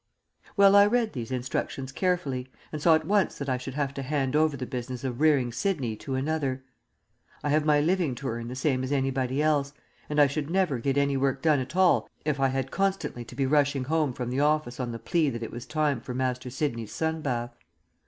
Well, I read these instructions carefully, and saw at once that I should have to hand over the business of rearing Sidney to another. I have my living to earn the same as anybody else, and I should never get any work done at all if I had constantly to be rushing home from the office on the plea that it was time for Master Sidney's sun bath.